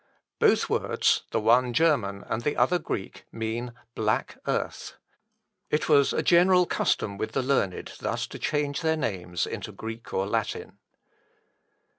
Both words, the one German, and the other Greek, mean black earth. It was a general custom with the learned thus to change their names into Greek or Latin.